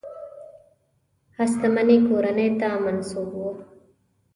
هستمنې کورنۍ ته منسوب وو.